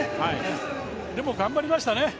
でも頑張りましたね。